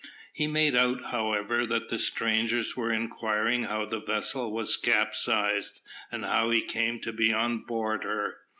He made out, however, that the strangers were inquiring how the vessel was capsized, and how he came to be on board her.